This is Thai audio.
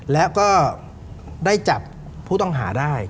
แล้วก็ได้จับผู้ต้องหาได้